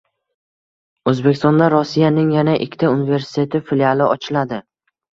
O‘zbekistonda Rossiyaning yana ikkita universiteti filiali ochiladi